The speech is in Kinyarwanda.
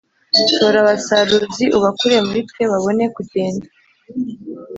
tora abasaruzi, ubakure muri twe babone kugenda,